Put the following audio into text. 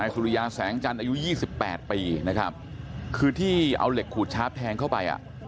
สุริยาแสงจันทร์อายุ๒๘ปีคือที่เอาเหล็กขูดชาปแทงเข้าไป